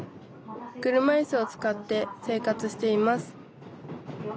車いすを使って生活しています